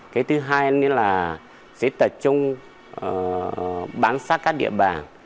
cái thứ hai nữa là sẽ tập trung bán xác các địa bàn